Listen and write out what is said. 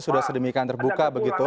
sudah sedemikian terbuka begitu